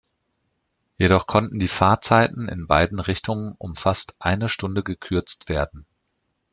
Jedoch konnten die Fahrzeiten in beiden Richtungen um fast eine Stunde gekürzt werden.